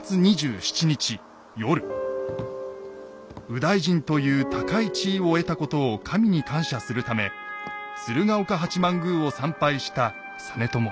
右大臣という高い地位を得たことを神に感謝するため鶴岡八幡宮を参拝した実朝。